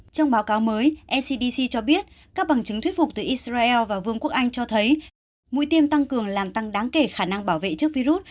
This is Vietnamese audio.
trong báo cáo mới ncdc cho biết các bằng chứng thuyết phục từ israel và vương quốc anh cho thấy mũi tiêm tăng cường làm tăng đáng kể khả năng bảo vệ trước virus